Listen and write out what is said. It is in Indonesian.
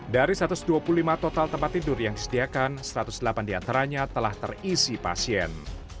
dari satu ratus dua puluh lima total tempat tidur yang disediakan satu ratus delapan diantaranya telah terisi pasien